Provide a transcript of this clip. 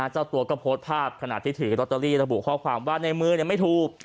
เจ้าตัวก็โพสต์ภาพขณะที่ถือลอตเตอรี่ระบุข้อความว่าในมือไม่ถูก